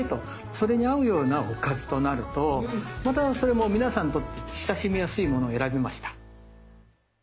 それに合うようなおかずとなるとまたそれも皆さんにとって親しみやすいものを選びました。